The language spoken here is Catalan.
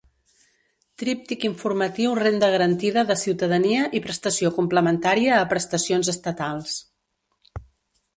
Tríptic informatiu Renda garantida de ciutadania i Prestació complementària a prestacions estatals.